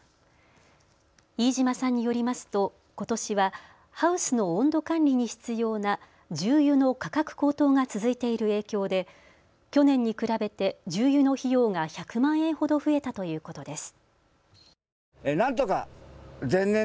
飯島さんによりますとことしはハウスの温度管理に必要な重油の価格高騰が続いている影響で去年に比べて重油の費用が１００万円ほど増えたということです。